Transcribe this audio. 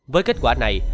với kết quả này